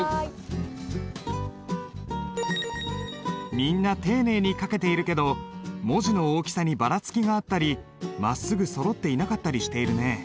みんな丁寧に書けているけど文字の大きさにバラつきがあったりまっすぐそろっていなかったりしているね。